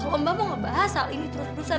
kalau mbak mau ngebahas hal ini terus terusan